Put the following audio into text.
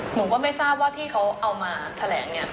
หนูก็ไม่ทราบว่าที่เขาเอามาแถลงเนี่ย